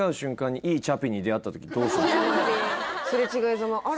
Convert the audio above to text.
すれ違いざまあれ？